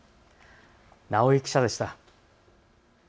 直井記者でした。